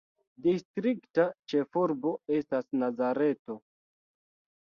Distrikta ĉefurbo estas Nazareto.